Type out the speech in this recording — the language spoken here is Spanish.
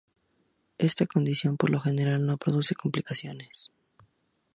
Esta condición por lo general no produce complicaciones.